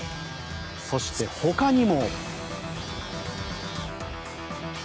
そして、ほかにも。